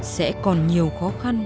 sẽ còn nhiều khó khăn